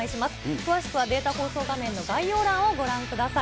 詳しくはデータ放送画面の概要欄をご覧ください。